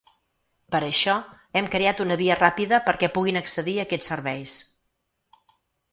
Per això, hem creat una via ràpida perquè puguin accedir a aquests serveis.